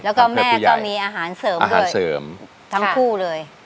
แล้วก็แม่ก็มีอาหารเสริมด้วยเสริมทั้งคู่เลย